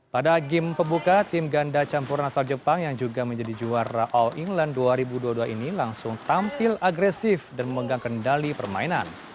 pada game pembuka tim ganda campuran asal jepang yang juga menjadi juara all england dua ribu dua puluh dua ini langsung tampil agresif dan memegang kendali permainan